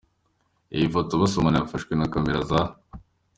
Iyi foto basomana yafashwe na camera za.